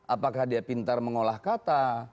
apakah dia pintar mengolah kata